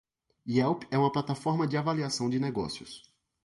Yelp é uma plataforma de avaliação de negócios.